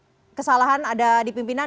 dan mengatakan bahwa kesalahan ada di pimpinan